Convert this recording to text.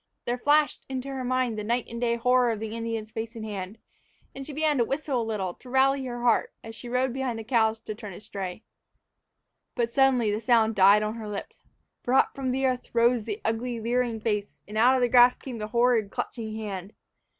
There flashed into her mind the night and day horror of the Indian's face and hand, and she began to whistle a little to rally heart as she rode beyond the cows to turn a stray. But suddenly the sound died on her lips. For up from the earth rose the ugly, leering face, and out of the grass came the horrid, clutching hand!